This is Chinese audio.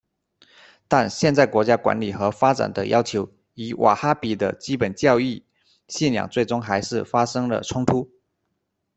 但现代国家管理和发展的要求与瓦哈比的基本教义信仰最终还是发生了冲突。